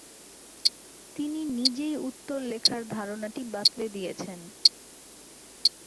তিনি নিজেই উত্তর লেখার ধারণাটি বাতলে দিয়েছেন।